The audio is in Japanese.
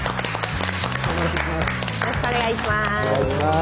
よろしくお願いします。